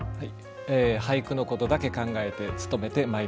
俳句のことだけ考えて務めてまいります。